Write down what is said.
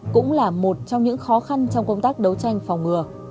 cũng là một trong những khó khăn trong công tác đấu tranh phòng ngừa